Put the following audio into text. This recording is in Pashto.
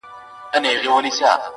غم ته مې پرېږده دنیاګۍ تسلي مه راکوه